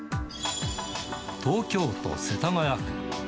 東京都世田谷区。